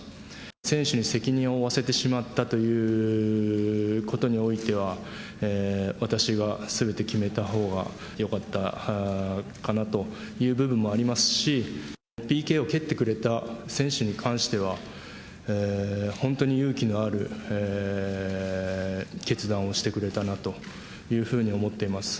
選手に責任を負わせてしまったということにおいては、私が全て決めたほうがよかったかなという部分もありますし、ＰＫを蹴ってくれた選手に関しては、本当に勇気のある決断をしてくれたなというふうに思っています。